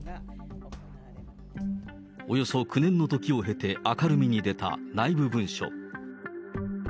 およそ９年の時を経て明るみに出た内部文書。